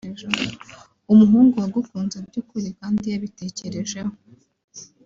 Umuhungu wagukunze by’ukuri kandi yabitekerejeho